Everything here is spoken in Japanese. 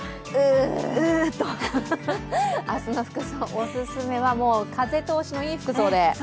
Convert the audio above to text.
明日の服装、お勧めは風通しのいい服装で。